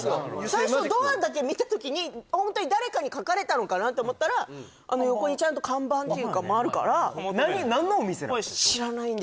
最初ドアだけ見た時にホントに誰かに書かれたのかなって思ったらあの横にちゃんと看板っていうかあるから中がバー